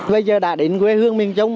bây giờ đã đến quê hương miền trung